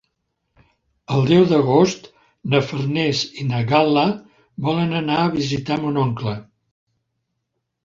El deu d'agost na Farners i na Gal·la volen anar a visitar mon oncle.